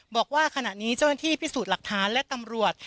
บอกว่าขณะนี้เจ้าหน้าที่พิสูจน์หลักฐานและตำรวจ